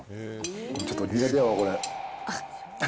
ちょっと苦手やわ、これ。